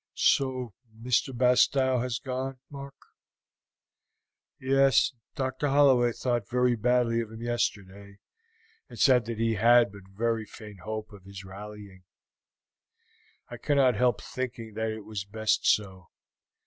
"So Mr. Bastow has gone, Mark?" "Yes, Dr. Holloway thought very badly of him yesterday, and said that he had but very faint hope of his rallying. I cannot help thinking that it was best so.